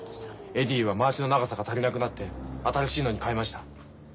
エディはまわしの長さが足りなくなって新しいのに替えました。